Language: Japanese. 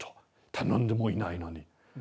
頼んでもいないのに。